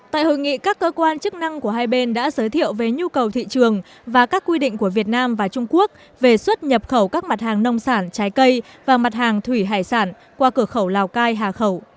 tại hội nghị các cơ quan chức năng của hai bên đã giới thiệu về nhu cầu thị trường và các quy định của việt nam và trung quốc về xuất nhập khẩu các mặt hàng nông sản trái cây và mặt hàng thủy hải sản qua cửa khẩu lào cai hà khẩu